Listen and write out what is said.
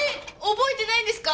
覚えてないんですか？